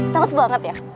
takut banget ya